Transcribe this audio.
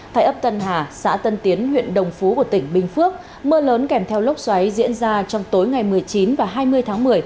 tại ấp tân hà xã tân tiến huyện đồng phú của tỉnh bình phước mưa lớn kèm theo lốc xoáy diễn ra trong tối ngày một mươi chín và hai mươi tháng một mươi